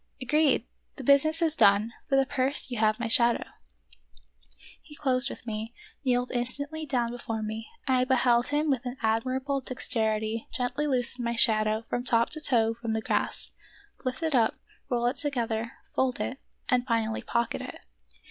"Agreed ! the business is done; for the purse you have my shadow !" He closed with me; kneeled instantly down before me, and I beheld him with an admirable dexterity gently loosen my shadow from top to toe from the grass, lift it up, roll it together, fold it, and finally pocket it.